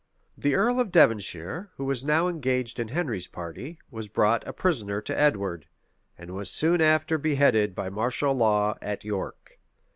[] The earl of Devonshire, who was now engaged in Henry's party, was brought a prisoner to Edward; and was soon after beheaded by martial law at York.